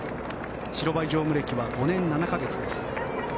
白バイ乗務歴は５年７か月です。